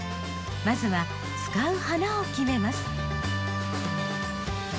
まずは使う花を決めます。